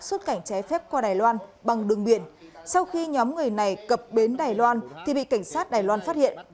xuất cảnh trái phép qua đài loan bằng đường biển sau khi nhóm người này cập bến đài loan thì bị cảnh sát đài loan phát hiện